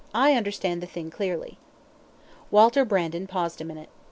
I understand the thing clearly." Walter Brandon paused a minute.